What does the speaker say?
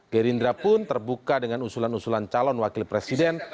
gerindra pun terbuka dengan usulan usulan calon wakil presiden